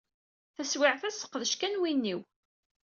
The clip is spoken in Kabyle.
Taswiɛt-a seqdec kan win-iw.